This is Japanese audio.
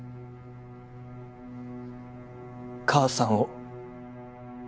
母さんを。